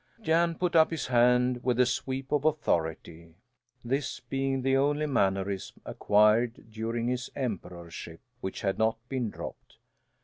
Jan put up his hand with a sweep of authority this being the only mannerism acquired during his emperorship which had not been dropped.